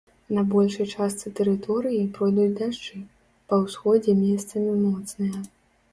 На большай частцы тэрыторыі пройдуць дажджы, па ўсходзе месцамі моцныя.